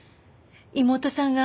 妹さんが。